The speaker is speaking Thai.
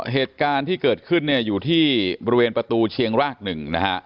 เหตุการณ์ที่เกิดขึ้นเนี่ยอยู่ที่บริเวณประตูเชียงรากหนึ่งนะฮะ